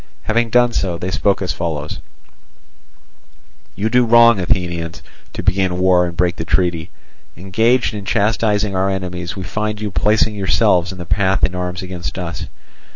Having done so, they spoke as follows: "You do wrong, Athenians, to begin war and break the treaty. Engaged in chastising our enemies, we find you placing yourselves in our path in arms against us.